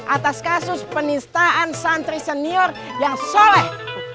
atas kasus penistaan santri senior yang soleh